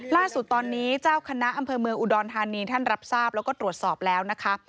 ล่าสุดตอนนี้เจ้าคณะอำเภอเมืองอุดรธานีท่านรับทราบแล้วก็ตรวจสอบแล้วนะคะ